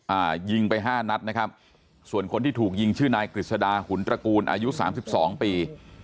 อ่ายิงไปห้านัดนะครับส่วนคนที่ถูกยิงชื่อนายกฤษดาหุนตระกูลอายุสามสิบสองปี